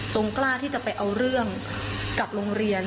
กล้าที่จะไปเอาเรื่องกับโรงเรียน